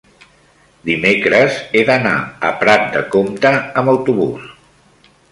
dimecres he d'anar a Prat de Comte amb autobús.